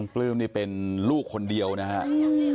ปลื้มนี่เป็นลูกคนเดียวนะครับ